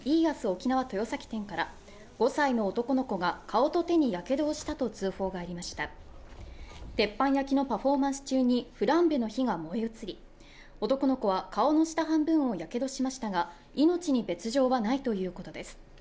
沖縄富崎店から５歳の男の子が顔と手にやけどをしたと通報がありました鉄板焼きのパフォーマンス中にフランベの火が燃え移り男の子は顔の下半分を火傷しましたが命に別状はないということです